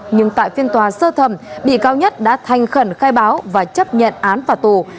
nhưng tại phiên tòa sơ thầm bị cáo nhất đã thanh khẩn khai báo và chấp nhận án phả tù